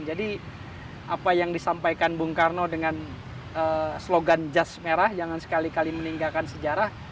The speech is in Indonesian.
jadi apa yang disampaikan bung karno dengan slogan jas merah jangan sekali kali meninggalkan sejarah